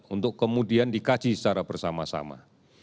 untuk kemudian dikaji secara bersama sama